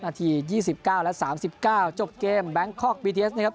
นาทียี่สิบเก้าและสามสี่เก้าจบเกมแบงค์คอร์กบีทีเอสนะครับ